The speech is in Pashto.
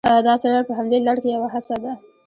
دا څېړنه په همدې لړ کې یوه هڅه ده